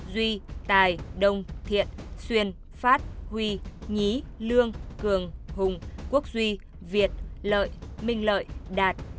duy tài đông thiện xuyên phát huy nhí lương cường hùng quốc duy việt lợi minh lợi đạt